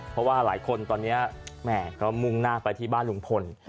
เพราะว่าหลายคนตอนนี้แหม่ก็มุ่งหน้าไปที่บ้านลุงพล